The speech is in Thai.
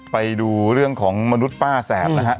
ไปดูเรื่องของมนุษย์ป้าแสบนะฮะ